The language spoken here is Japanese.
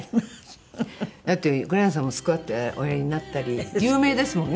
フフ！だって黒柳さんもスクワットおやりになったり有名ですもんね